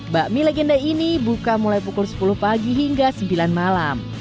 bakmi legenda ini buka mulai pukul sepuluh pagi hingga sembilan malam